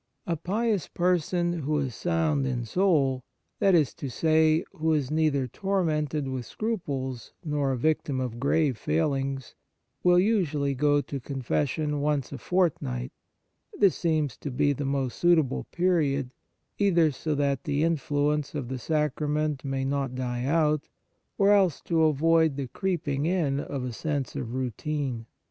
A pious person who is sound in soul that is to say, who is neither tormented with scruples nor a victim of grave failings will usually go to 98 The Sacrament of Penance confession once a fortnight ; this seems to be the most suitable period, either so that the influence of the sacrament may not die out, or else to avoid the creeping in of a sense of routine.